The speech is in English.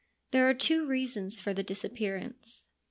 There are two reasons for the disappearance.